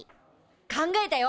考えたよ